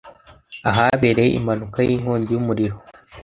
ahabereye impanuka y'inkongi y'umuriro.